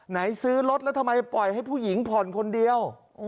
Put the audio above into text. ซื้อรถแล้วทำไมปล่อยให้ผู้หญิงผ่อนคนเดียว